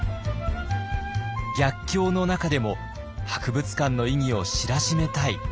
逆境の中でも博物館の意義を知らしめたい。